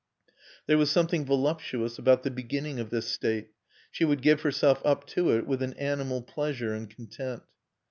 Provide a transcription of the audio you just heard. There was something voluptuous about the beginning of this state; she would give herself up to it with an animal pleasure and content.